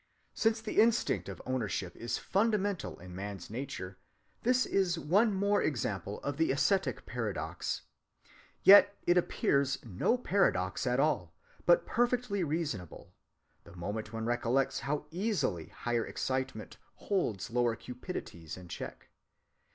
Since the instinct of ownership is fundamental in man's nature, this is one more example of the ascetic paradox. Yet it appears no paradox at all, but perfectly reasonable, the moment one recollects how easily higher excitements hold lower cupidities in check.